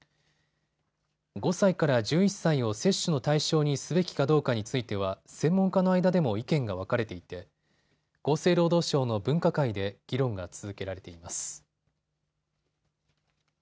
５歳から１１歳を接種の対象にすべきかどうかについては専門家の間でも意見が分かれていて厚生労働省の分科会で議論が続けられています。